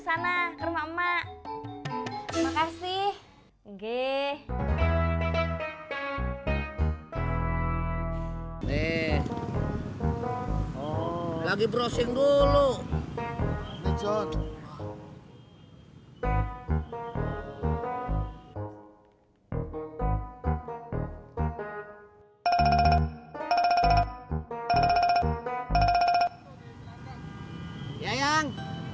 langsung ke sana ke rumah emak